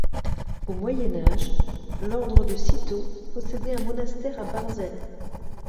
Au Moyen Âge, l’ordre de Cîteaux possédait un monastère à Barzelle.